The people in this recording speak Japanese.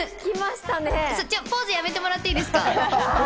ポーズやめてもらっていいですか？